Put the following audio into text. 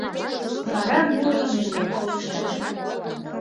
Вара муро йӱкым колыштеш.